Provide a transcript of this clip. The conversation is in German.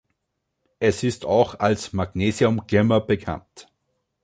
Es ist auch als Magnesiumglimmer bekannt.